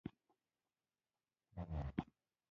هغې په حيرانۍ وپوښتل چې کوم شرط لرئ.